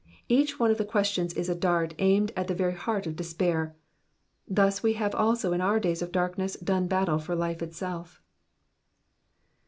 Each one of the questions is a dart aimed at the very heart of despair. Thus have we also in our days of darkness done battle for life itself.